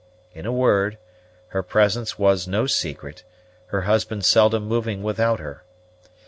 In a word, her presence was no secret, her husband seldom moving without her.